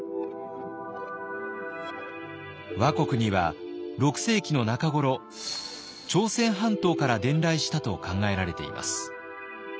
倭国には６世紀の中頃朝鮮半島から伝来したと考えられています。